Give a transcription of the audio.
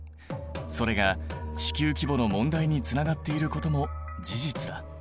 それが地球規模の問題につながっていることも事実だ。